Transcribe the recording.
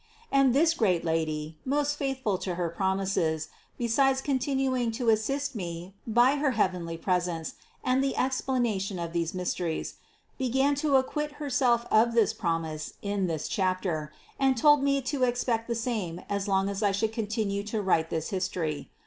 And this great Lady, most faithful to her promises, besides continuing to assist me by her heaven ly presence and the explanation of these mysteries, be gan to acquit Herself of this promise in this chapter and told me to expect the same as long as I should continue to write this history.